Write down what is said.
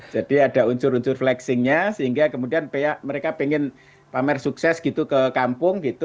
jadi ada unsur unsur flexingnya sehingga kemudian mereka pengen pamer sukses gitu ke kampung gitu